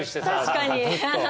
確かに。